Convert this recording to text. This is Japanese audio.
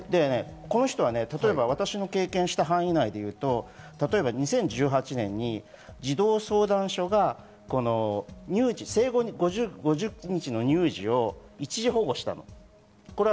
この人は私の経験範囲内でいうと２０１８年に児童相談所が生後５０日の乳児を一時保護した。